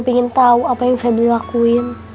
pingin tau apa yang febri lakuin